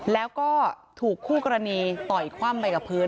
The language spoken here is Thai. แล้วก็ถูกคู่กรณีต่ออีกความใบกับพื้น